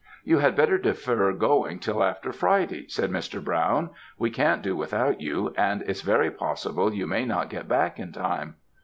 "'You had better defer going till after Friday,' said Mr. Brown; 'we can't do without you, and its very possible you may not get back in time.'